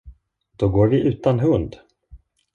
Då går vi utan hund!